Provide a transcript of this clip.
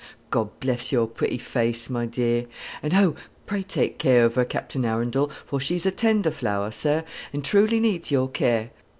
God bless your pretty face, my dear; and oh, pray take care of her, Captain Arundel, for she's a tender flower, sir, and truly needs your care.